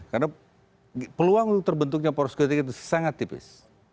karena peluang untuk terbentuknya poros ketiga itu sangat tipis